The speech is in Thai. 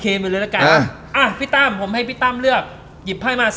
ไปเลยละกันอ่ะพี่ตั้มผมให้พี่ตั้มเลือกหยิบไพ่มา